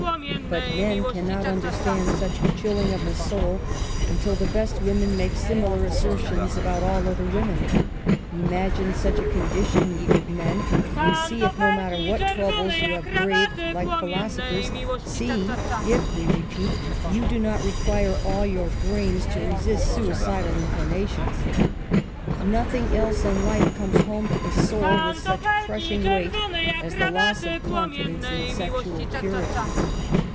But men cannot understand such chilling of the soul, until the best women make similar assertions about all other women — imagine such a condition ye good men, and see if, no matter what troubles you have braved like philosphers, see if, we repeat, you do not require all your brains to resist suicidal inclinations. iNTothing else in life comes home to the soul with such crushing Aveight as the loss of confidence in sexual purit}'.